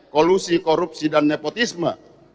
kolusi korupsi dan nepotisme